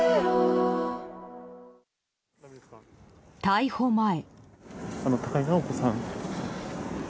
逮捕前。